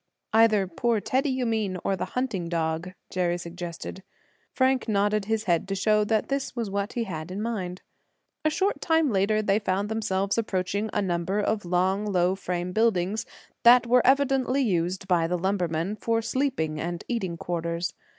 "Either poor Teddy, you mean, or the hunting dog," Jerry suggested. Frank nodded his head to show that this was what he had in mind. A short time later they found themselves approaching a number of long, low frame buildings that were evidently used by the lumbermen for sleeping and eating quarters.